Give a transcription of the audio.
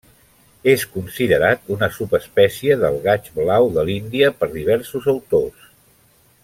És considerat una subespècie del gaig blau de l'Índia per diversos autors.